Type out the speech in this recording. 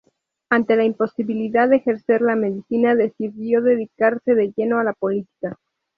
Ante la imposibilidad de ejercer la medicina decidió dedicarse de lleno a la política.